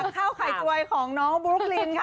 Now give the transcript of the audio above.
อ่ะจากข้าวไข่จวยของน้องบุรุกลินค่ะ